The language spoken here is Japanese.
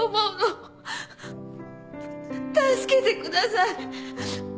助けてください。